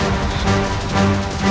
aku tidak tahu